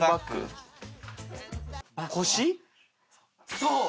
そう！